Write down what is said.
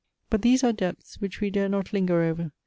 But these are depths, which we dare not linger over.